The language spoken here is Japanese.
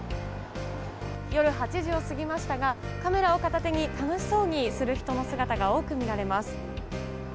夜８時を過ぎましたがカメラを片手に楽しそうにする人の姿が多く見られます。